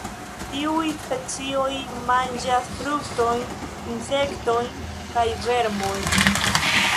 Tiuj specioj manĝas fruktojn, insektojn kaj vermojn.